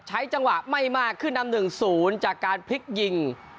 ใช้จังหวะไม่มากขึ้นนำหนึ่งศูนย์จากการพลิกยิง